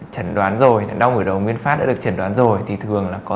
chẩn đoán rồi đau nửa đầu nguyên phát đã được chẩn đoán rồi thì thường là có